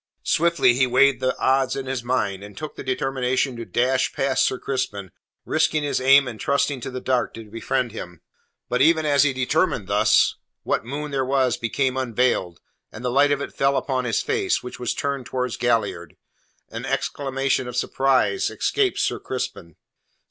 Swiftly he weighed the odds in his mind, and took the determination to dash past Sir Crispin, risking his aim and trusting to the dark to befriend him. But even as he determined thus, what moon there was became unveiled, and the light of it fell upon his face, which was turned towards Galliard. An exclamation of surprise escaped Sir Crispin.